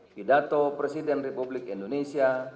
pidato presiden republik indonesia